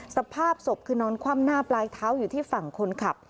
สภาพศพคือนอนคว่ำหน้าปลายเท้าอยู่ที่ฝั่งคนขับ